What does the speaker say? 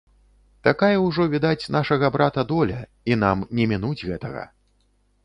Такая ўжо, відаць, нашага брата доля, і нам не мінуць гэтага.